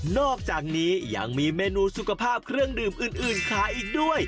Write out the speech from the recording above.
อกจากนี้ยังมีเมนูสุขภาพเครื่องดื่มอื่นขายอีกด้วย